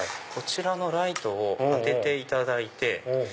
こちらのライトを当てていただいて。